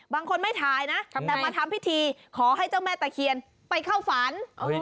บางคนไม่ถ่ายนะแต่มาทำพิธีขอให้เจ้าแม่ตะเคียนไปเข้าฝัน